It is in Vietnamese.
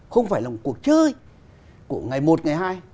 không phải là một cuộc chơi của ngày một ngày hai